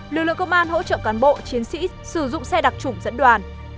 lực lượng công an hỗ trợ cán bộ chiến sĩ sử dụng xe đặc trủng dẫn đoàn